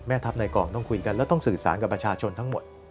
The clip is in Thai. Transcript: ทัพในกล่องต้องคุยกันแล้วต้องสื่อสารกับประชาชนทั้งหมด